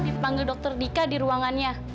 dipanggil dokter dika di ruangannya